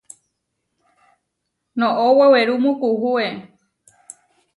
Noʼó wewerúmu kuúe.